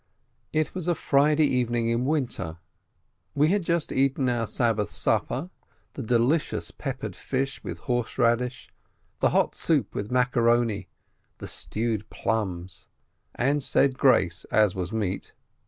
It was on a Friday evening in winter. We had just eaten our Sabbath supper, the delicious peppered fish with horseradish, the hot soup with macaroni, the stewed plums, and said grace as was meet.